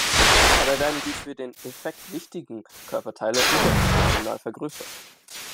Dabei werden die für den Effekt wichtigen Körperteile überproportional vergrößert.